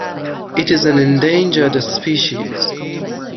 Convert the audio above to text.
It is an endangered species.